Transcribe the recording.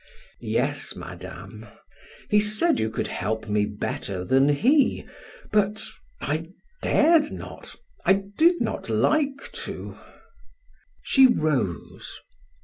"Yes, Madame. He said you could help me better than he but I dared not I did not like to." She rose.